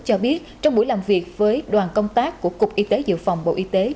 cho biết trong buổi làm việc với đoàn công tác của cục y tế dự phòng bộ y tế